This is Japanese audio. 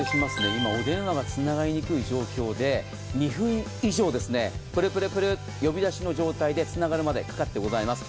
今、お電話がつながりにくい状況で２分以上、プルプルプル、呼び出しの状態でつながるまでかかっております。